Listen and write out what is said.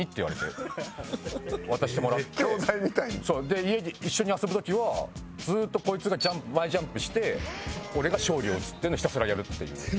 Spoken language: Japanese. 家で一緒に遊ぶ時はずっとこいつがジャンプ前ジャンプして俺が昇龍を打つっていうのをひたすらやるっていう。